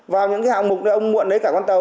và những cái hạng mục ông muộn lấy cả con tàu